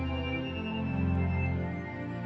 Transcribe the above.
maka dia akan hidup di momen ini